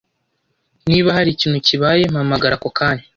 Niba hari ikintu kibaye, mpamagara ako kanya.